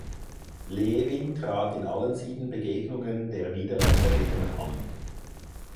Lewin trat in allen sieben Begegnungen der Niederländerinnen an.